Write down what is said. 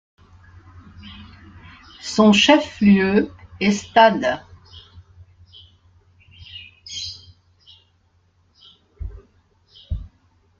Son chef-lieu est Stade.